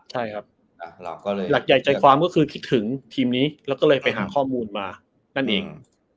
ใช่ครับหลักใหญ่ใจความก็คือคิดถึงทีมนี้แล้วก็เลยไปหาข้อมูลมานั่นเอง